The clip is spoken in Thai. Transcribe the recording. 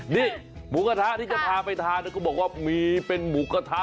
นี่หมูกระทะที่จะพาไปทานเขาบอกว่ามีเป็นหมูกระทะ